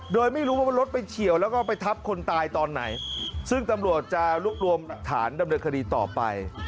โดยไม่รู้ว่ารถไปเฉียวแล้วก็ไปทับคนตายตอนไหนซึ่งตำรวจจะรวบรวมฐานดำเนินคดีต่อไป